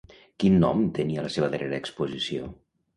Quin nom tenia la seva darrera exposició?